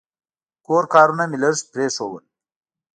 کور کارونه مې لږ پرېښودل.